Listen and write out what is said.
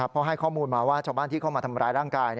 เพราะให้ข้อมูลมาว่าชาวบ้านที่เข้ามาทำร้ายร่างกาย